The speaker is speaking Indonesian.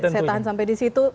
saya tahan sampai disitu